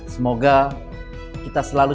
semoga kita selalu